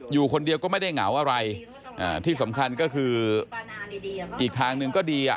อยู่คนเดียวก็ไม่ได้เหงาอะไรอ่าที่สำคัญก็คืออีกทางหนึ่งก็ดีอ่ะ